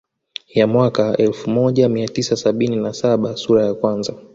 Ya mwaka elfu moja mia tisa sabini na saba sura ya kwanza